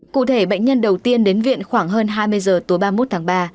cụ thể bệnh nhân đầu tiên đến viện khoảng hơn hai mươi giờ tối ba mươi một tháng ba